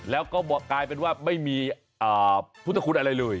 แล้วก็กลายเป็นว่าไม่มีพุทธคุณอะไรเลย